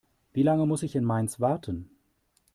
Wie lange muss ich in Mainz warten?